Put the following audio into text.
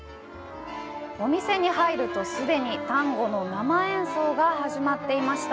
お店に入ると、すでにタンゴの生演奏が始まっていました。